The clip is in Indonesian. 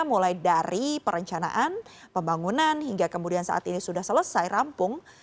mulai dari perencanaan pembangunan hingga kemudian saat ini sudah selesai rampung